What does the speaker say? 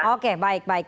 oke baik baik